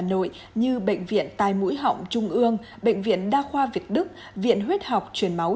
hà nội như bệnh viện tai mũi họng trung ương bệnh viện đa khoa việt đức viện huyết học truyền máu